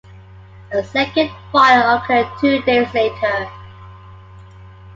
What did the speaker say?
A second fire occurred two days later.